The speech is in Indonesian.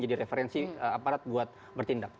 jadi referensi aparat buat bertindak